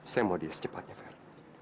saya mau dia secepatnya fer